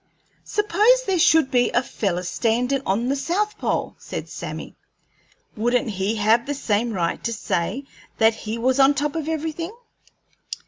"Suppose there should be a feller standin' on the south pole," said Sammy, "wouldn't he have the same right to say that he was on top of everything?"